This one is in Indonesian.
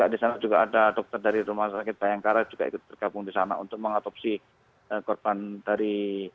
di sana juga ada dokter dari rumah sakit bayangkara juga ikut bergabung di sana untuk mengotopsi korban dari